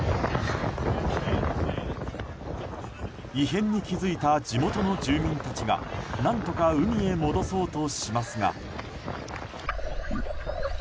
異変に気付いた地元の住民たちが何とか海へ戻そうとしますが。